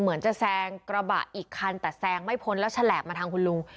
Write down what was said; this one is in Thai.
เหมือนจะแซงกระบะอีกคันแต่แซงไม่พ้นแล้วฉลาบมาทางคุณลุง